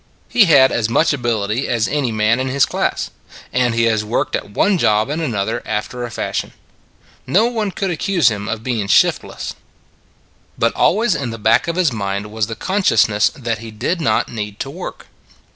He had as much ability as any man in his class; and he has worked at one job and another after a fashion. No one could accuse him of being shiftless. ii6 It s a Good Old World But always in the back of his mind was the consciousness that he did not need to work.